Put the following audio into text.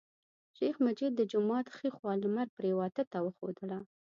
شیخ مجید د جومات ښی خوا لمر پریواته ته وښودله.